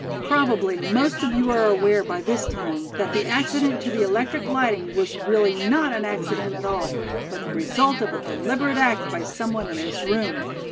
Probably most of you are aware by this time that the accident to the electric lighting was really not an accident at all, but the result of a deliberate act by some one in this room.